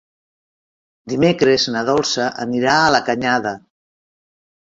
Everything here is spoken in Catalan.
Dimecres na Dolça anirà a la Canyada.